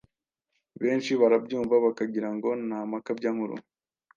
benshi barabyumva bakagirango namakabya nkuru